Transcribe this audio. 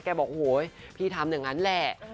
บอกโอ้โหพี่ทำอย่างนั้นแหละ